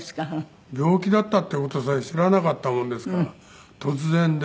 病気だったっていう事さえ知らなかったもんですから突然で。